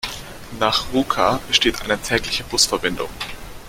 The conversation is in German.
Nach Ruka besteht eine tägliche Busverbindung.